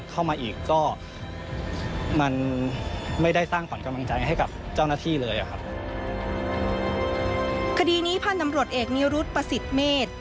คดีนี้พันธุ์ตำรวจเอกนิรุธประสิทธิ์เมษ